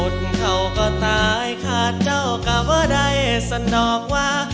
เขาก็ตายขาดเจ้าก็ว่าได้สนอกว่า